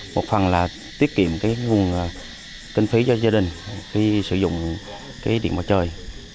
một phần là tiết kiệm nguồn kinh phí cho gia đình khi sử dụng điện mặt trời